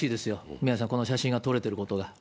宮根さん、この写真を撮れていることが。